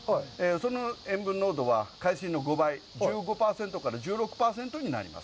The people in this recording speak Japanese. その塩分濃度は海水の５倍、１５％から１６％になります。